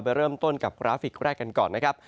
ไปเริ่มต้นกับกราฟิกแรกกันก่อนนะครับ